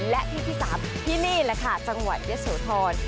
และที่ที่๓ที่นี่แหละค่ะจังหวัดเยอะโสธร